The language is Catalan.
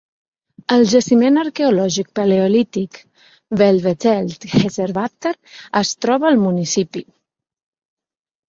El jaciment arqueològic paleolític Veldwezelt-Hezerwater es troba al municipi.